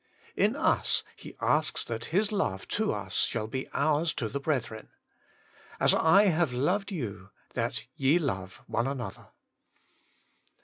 In us, He asks that His WAITING ON GOD! 39 love to us shall be ours to the brethren :' As I have loved you, that ye love one another.'